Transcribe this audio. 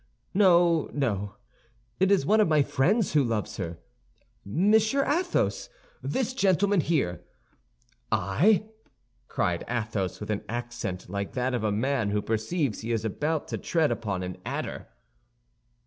"No, no; it is one of my friends who loves her—Monsieur Athos, this gentleman here." "I?" cried Athos, with an accent like that of a man who perceives he is about to tread upon an adder.